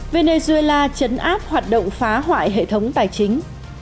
venezuela chấn áp hoạt động phá hoại hệ thống tài chính